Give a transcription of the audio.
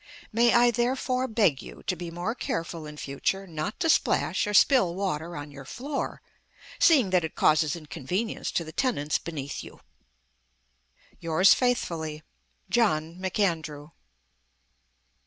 May I therefore beg you to be more careful in future not to splash or spill water on your floor, seeing that it causes inconvenience to the tenants beneath you? "Yours faithfully, Jno. McAndrew."